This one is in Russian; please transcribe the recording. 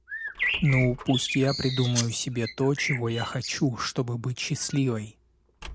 Ну, пусть я придумаю себе то, чего я хочу, чтобы быть счастливой.